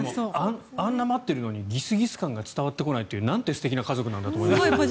あんな待っているのにギスギス感が伝わってこないというなんて素敵な家族なんだと思いましたね。